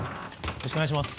よろしくお願いします。